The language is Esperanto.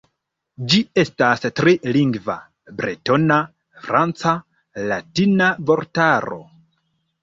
Ĝi estas tri-lingva, bretona-franca-latina vortaro.